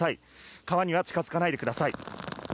川には近づかないでください。